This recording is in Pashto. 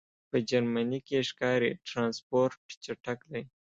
په جرمنی کی ښکاری ټرانسپورټ چټک دی